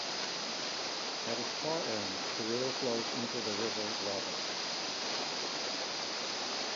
At its far end, the river flows into the River Rother.